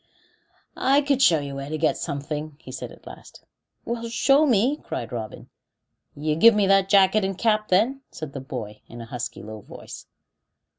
"I could show you where to get something," he said at last. "Well, show me," cried Robin. "You give me that jacket and cap, then," cried the boy, in a husky, low voice.